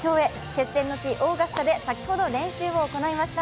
決戦の地・オーガスタで先ほど練習を行いました。